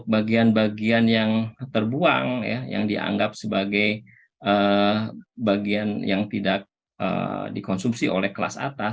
bagian bagian yang terbuang yang dianggap sebagai bagian yang tidak dikonsumsi oleh kelas atas